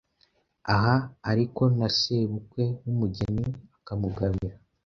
Aha ariko na sebukwe w’umugeni akamugabira.